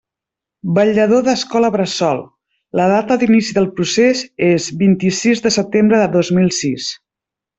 Vetllador d'Escola Bressol, la data d'inici del procés és vint-i-sis de setembre de dos mil sis.